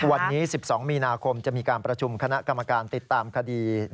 วันนี้๑๒มีนาคมจะมีการประชุมคณะกรรมการติดตามคดี